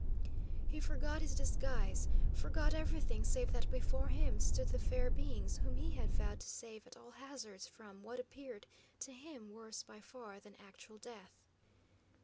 He forgot his disguise, forgot everything save that before him stood the fair beings whom he had vowed to save at all hazards from what appeared to him worse by far than actual death.